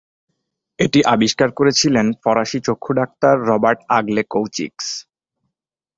এটি আবিষ্কার করেছিলেন ফরাসি চক্ষু-ডাক্তার রবার্ট-আগলে কৌচিক্স।